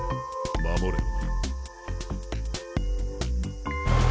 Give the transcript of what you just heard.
守れよ。